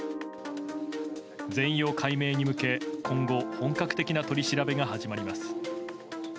全容解明に向け、今後本格的な取り調べが始まります。